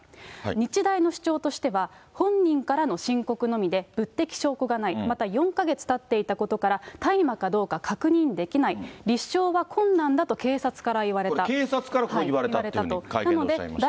日大の主張としては、本人からの申告のみで、物的証拠がない、また４か月たっていたことから、大麻かどうか確認できない、これ、警察からそういうふうに言われたと会見でおっしゃいましたね。